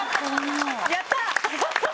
やった！